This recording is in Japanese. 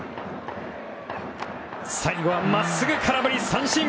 最後はまっすぐ、空振り三振！